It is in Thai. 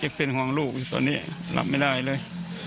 เด็กเซ็นต์ของลูกนะรับไม่ได้เลย